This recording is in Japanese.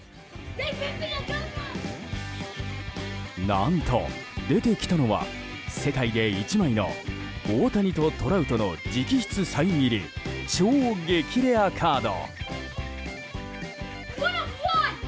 何と、出てきたのは世界で１枚の大谷とトラウトの直筆サイン入り超激レアカード。